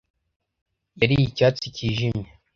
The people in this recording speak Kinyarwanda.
Yari icyatsi cyijimye